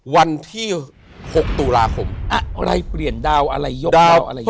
วันที่๖ตุลาคมอ่ะอะไรเปลี่ยนดาวอะไรยกดาวอะไรยก